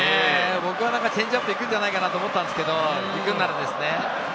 僕はチェンジアップ行くんじゃないかと思ったんですけどね。